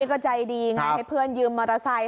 ก็ใจดีไงให้เพื่อนยืมมอเตอร์ไซค